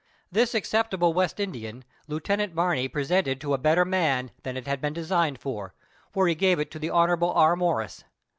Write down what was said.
This acceptable West Indian, Lieutenant Barney presented to a better man than it had been designed for, for he gave it to the Hon. R. Morris.